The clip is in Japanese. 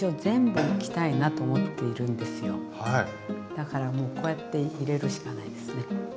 だからもうこうやって入れるしかないですね。